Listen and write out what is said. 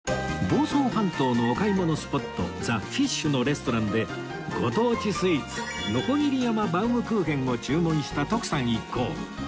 房総半島のお買い物スポット ｔｈｅＦｉｓｈ のレストランでご当地スイーツのこぎり山バウムクーヘンを注文した徳さん一行